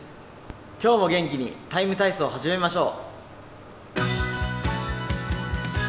今日も元気に「ＴＩＭＥ，体操」始めましょう。